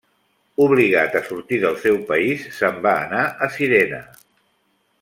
Obligat a sortir del seu país se'n va anar a Cirene.